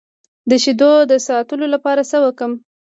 د شیدو د ساتلو لپاره څه وکړم؟